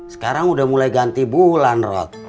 sekarang udah mulai ganti bulan rod